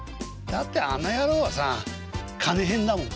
「だってあの野郎はさ金ヘンだもん」。